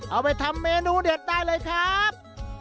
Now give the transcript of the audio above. เอาไปทำเมนูเด็ดได้เลยครับ